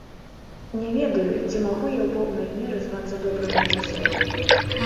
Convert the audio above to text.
Не ведаю, ці магу я ў поўнай меры звацца добрым рэжысёрам.